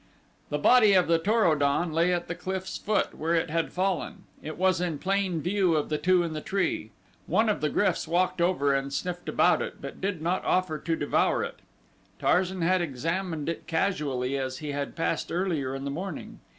The body of the Tor o don lay at the cliff's foot where it had fallen. It was in plain view of the two in the tree. One of the gryfs walked over and sniffed about it, but did not offer to devour it. Tarzan had examined it casually as he had passed earlier in the morning.